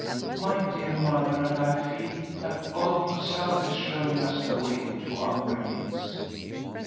My dear mother and I feel that God Himself is showing us the way to our release.